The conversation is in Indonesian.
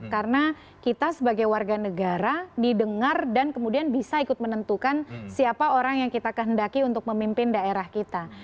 karena kita sebagai warga negara didengar dan kemudian bisa ikut menentukan siapa orang yang kita kehendaki untuk memimpin daerah kita